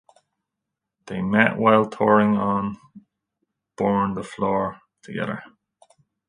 They met while touring on "Burn the Floor" together.